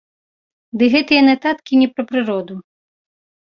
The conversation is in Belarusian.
Ды гэтыя нататкі не пра прыроду.